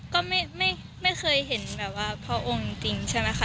ก็ไม่เคยเห็นแบบว่าพระองค์จริงใช่ไหมคะ